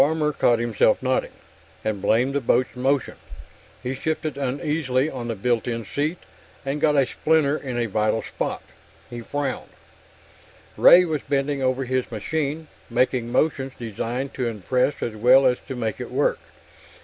Farmer caught himself nodding, and blamed the boat's motion. He shifted uneasily on the built in seat, and got a splinter in a vital spot. He frowned. Ray was bending over his machine, making motions designed to impress as well as to make it work.